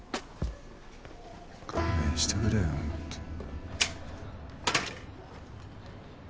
勘弁してくれよ本当。